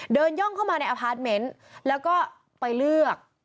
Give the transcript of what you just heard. ย่องเข้ามาในอพาร์ทเมนต์แล้วก็ไปเลือก